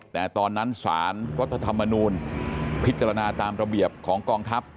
แต่ตอนนั้นสารรัฐธรรมนูลพิจารณาตามระเบียบของกองทัพ